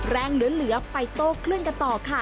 เหลือไปโต้คลื่นกันต่อค่ะ